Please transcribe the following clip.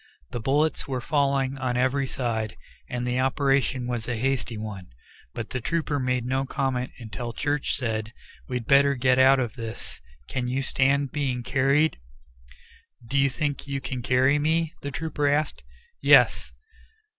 The bullets were falling on every side, and the operation was a hasty one, but the trooper made no comment until Church said, "We'd better get out of this; can you stand being carried?" "Do you think you can carry me?" the trooper asked. "Yes."